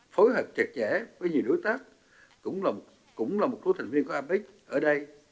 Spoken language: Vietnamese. phối hợp chặt chẽ với nhiều đối tác cũng là một số thành viên của apec ở đây